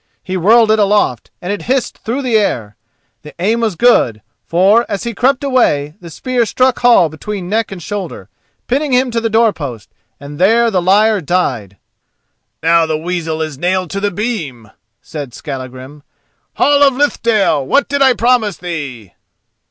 He whirled it aloft, and it hissed through the air. The aim was good, for, as he crept away, the spear struck Hall between neck and shoulder, pinning him to the doorpost, and there the liar died. "Now the weasel is nailed to the beam," said Skallagrim. "Hall of Lithdale, what did I promise thee?"